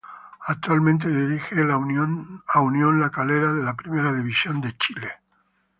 Actualmente dirige a Unión La Calera de la Primera División de Chile.